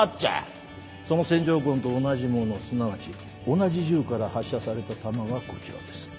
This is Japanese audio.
その線条痕と同じものすなわち同じ銃から発射された弾がこちらです。